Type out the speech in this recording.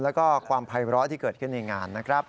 แล้วก็ความภัยร้อที่เกิดขึ้นในงานนะครับ